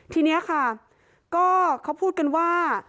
ทีนี้ค่ะก็เขาพูดกันว่า